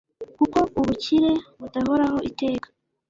kuko ubukire budahoraho iteka